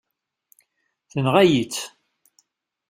Tenɣa-yi-tt.